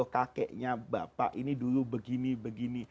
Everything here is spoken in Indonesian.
kakeknya bapak ini dulu begini begini